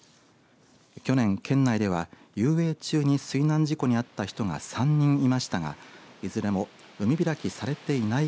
去年、県内では遊泳中に水難事故に遭った人が３人いましたが、いずれも海開きされていない